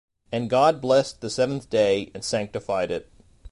And God blessed the seventh day, and sanctified it: